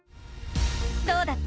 どうだった？